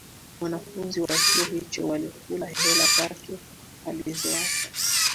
wanafunzi wa chuo hicho walikula hela zake alizowapa